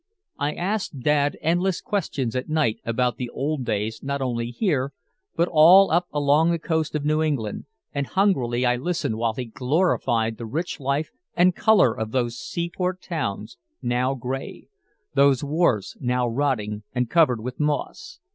I asked Dad endless questions at night about the old days not only here, but all up along the coast of New England, and hungrily I listened while he glorified the rich life and color of those seaport towns now gray, those wharves now rotting and covered with moss.